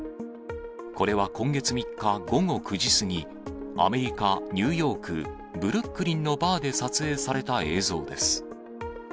これは今月３日午後９時過ぎ、アメリカ・ニューヨークブルックリンのバーで撮影された映像です。